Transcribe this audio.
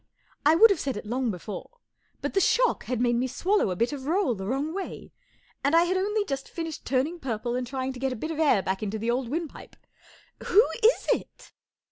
I would have said it long before, but the shock had made me swallow a bit of roll the wrong way, and I had only just finished turning purple and try¬ ing to get a bit of air back into the old wind¬ pipe, " W h o is it